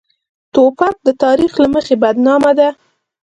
توپک د تاریخ له مخې بدنامه ده.